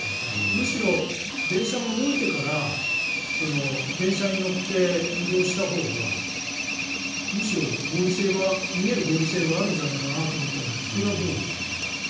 むしろ、電車が動いてから電車に乗って移動したほうがむしろ逃げる合理性があるんじゃないかなと思ったんですがそれはどうですか？